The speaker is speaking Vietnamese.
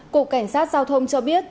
cục cảnh sát giao thông cho biết